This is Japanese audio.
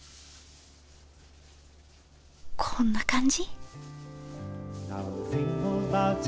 こんな感じ？